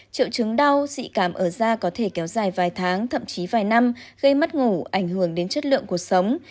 triệu chứng đau dị cảm ở da có thể kéo dài vài tháng thậm chí vài năm gây mất ngủ ảnh hưởng đến chất lượng cuộc sống